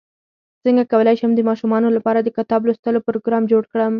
څنګه کولی شم د ماشومانو لپاره د کتاب لوستلو پروګرام جوړ کړم